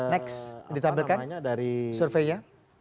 next ditampilkan surveinya